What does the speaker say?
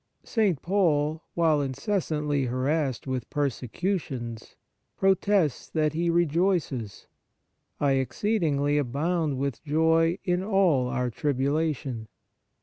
J St. Paul, while incessantly harassed with persecutions, protests that he rejoices :" I exceedingly abound with joy in all our tribulation."